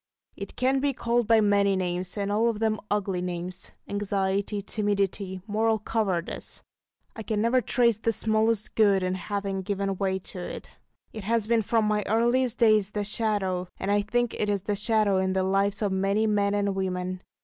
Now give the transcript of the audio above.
It can be called by many names, and all of them ugly names anxiety, timidity, moral cowardice. I can never trace the smallest good in having given way to it. It has been from my earliest days the Shadow; and I think it is the shadow in the lives of many men and women.